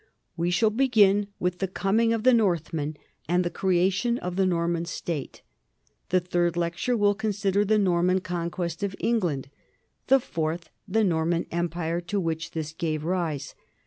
We shall begin with the coming of the Northmen and the creation of the Nor man state. The third lecture will consider the Norman conquest of England ; the fourth, the Norman empire to which this gave rise.